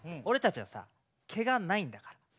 俺たちはさ毛がないんだから。